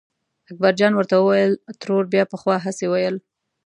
اکبرجان ورته وویل ترور بیا پخوا هسې ویل.